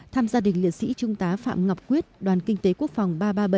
thăm gia đình liệt sĩ trung tá phạm ngọc quyết đoàn kinh tế quốc phòng ba trăm ba mươi bảy